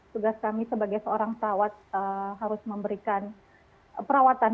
tugas kami sebagai seorang perawat harus memberikan perawatan